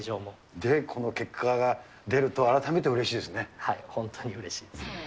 で、この結果が出ると、本当にうれしいです。